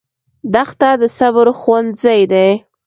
دښته د صبر ښوونځی دی.